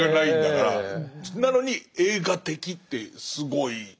なのに「映画的」ってすごい。